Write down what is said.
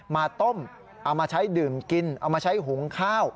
มาต้มเอามาใช้ดื่มกินเอามาใช้หุงข้าว